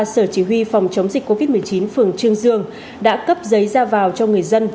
sở chỉ huy phòng chống dịch covid một mươi chín phường trương dương đã cấp giấy ra vào cho người dân